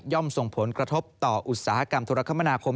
ส่งผลกระทบต่ออุตสาหกรรมธุรกรรมนาคม